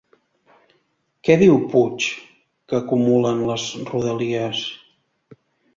Què diu Puig que acumulen les Rodalies?